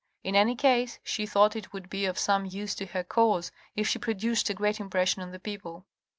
In any case, she thought it would be of some use to her cause if she produced a great impression on the people.